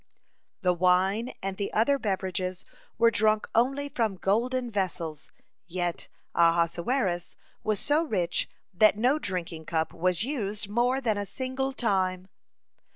(20) The wine and the other beverages were drunk only from golden vessels, yet Ahasuerus was so rich that no drinking cup was used more than a single time.